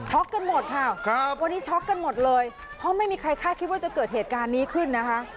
กันหมดค่ะวันนี้ช็อกกันหมดเลยเพราะไม่มีใครคาดคิดว่าจะเกิดเหตุการณ์นี้ขึ้นนะคะ